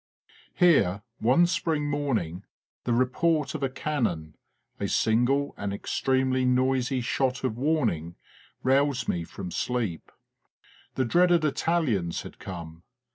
Here, one spring morning, the report of a cannon a single and extremely noisy shot of warning roused me from sleep. The dreaded Italians had come.